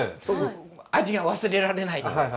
その味が忘れられない。